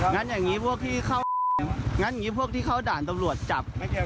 งั้นอย่างนี้พวกที่เข้าอย่างนั้นอย่างนี้พวกที่เข้าด่านตำรวจจับ